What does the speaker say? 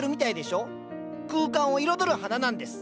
空間を彩る花なんです。